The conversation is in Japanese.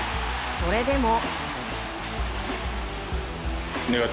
それでも。